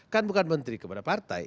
kan bukan menteri kepada partai